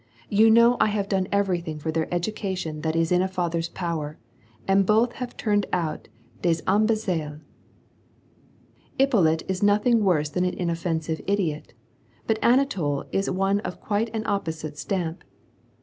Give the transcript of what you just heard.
"You know I have done everything for their education that is in a father's power, and both have turned out des imbeciles, Ippolit is nothing worse than an inoffensive idiot, but Anatol is one of quite an opposite stamp.